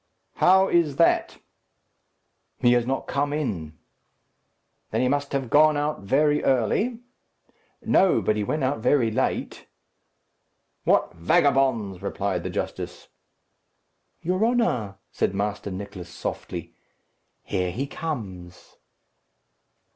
"How is that?" "He has not come in." "Then he must have gone out very early?" "No; but he went out very late." "What vagabonds!" replied the justice. "Your honour," said Master Nicless, softly, "here he comes."